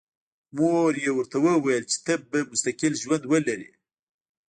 مور یې ورته وویل چې ته به مستقل ژوند ولرې